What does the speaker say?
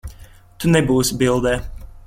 Tu nebūsi bildē.